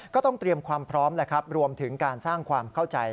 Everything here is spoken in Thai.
ก็ต้องเตรียมความพร้อมแล้วครับรวมถึงการสร้างความเข้าใจ